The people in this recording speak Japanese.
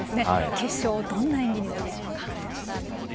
決勝、どんな演技になるでしょうか。